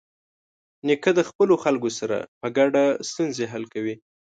نیکه د خپلو خلکو سره په ګډه ستونزې حل کوي.